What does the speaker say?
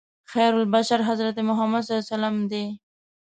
خیرالبشر حضرت محمد صلی الله علیه وسلم دی.